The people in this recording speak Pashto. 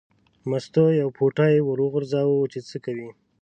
مستو یو پوټی ور وغورځاوه چې څه کوي.